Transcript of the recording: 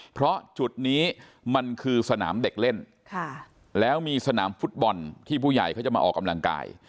เพราะจุดนี้มันคือสนามเด็กเล่นแล้วมีสนามฟุตบอลที่ผู้ใหญ่เขาจะมาออกกำลังกาย